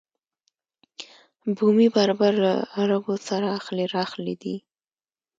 بومي بربر له عربو سره اخښلي راخښلي دي.